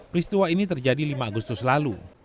peristiwa ini terjadi lima agustus lalu